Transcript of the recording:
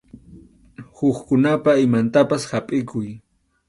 Hukkunapa imantapas hapʼikuy.